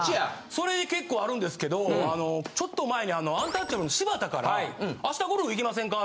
それで結構あるんですけどあのちょっと前にアンタッチャブルの柴田から「明日ゴルフ行きませんか」